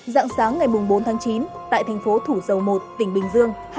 dạng sáng ngày bốn tháng chín tại thành phố thủ dầu một tỉnh bình dương